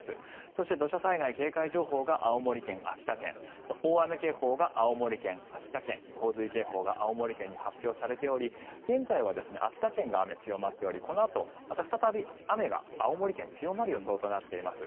そして、土砂災害警戒情報が青森県、秋田県大雨警報が青森県、秋田県洪水警報が青森県に発表されており現在は秋田県が雨、強まっておりこのあとまた再び雨が青森県強まる予想となっています。